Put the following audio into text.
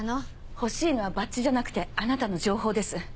欲しいのはバッジじゃなくてあなたの情報です。